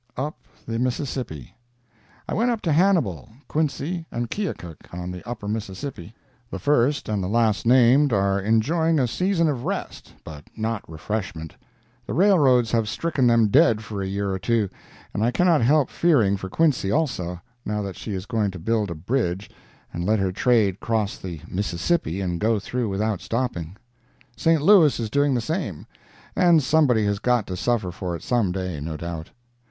UP THE MISSISSIPPI I went up to Hannibal, Quincy and Keokuk, on the Upper Mississippi. The first and the last named are enjoying a season of rest, but not refreshment—the railroads have stricken them dead for a year or two, and I cannot help fearing for Quincy also, now that she is going to build a bridge and let her trade cross the Mississippi, and go through without stopping. St. Louis is doing the same, and somebody has got to suffer for it some day, no doubt.